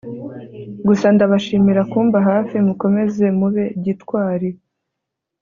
gusa ndabashimira kumba hafi mukomeze mube gitwari